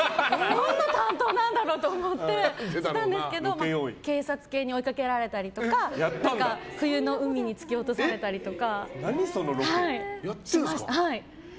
どんな担当なんだろうって思ってたんですけど警察犬に追いかけられたりとか冬の海に突き落とされたりとか。